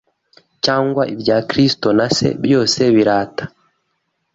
cyangwa ibya Kristo na Se, byose birata